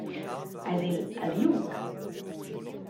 Eis el a liug?